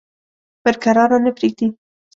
پر کراره نه پرېږدي.